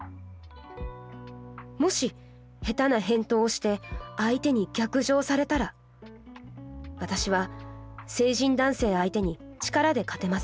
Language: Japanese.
もし下手な返答をして相手に逆上されたら私は成人男性相手に力で勝てません。